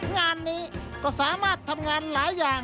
งานนี้ก็สามารถทำงานหลายอย่าง